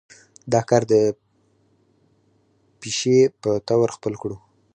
دا کار د پيشې پۀ طور خپل کړو